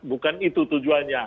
bukan itu tujuannya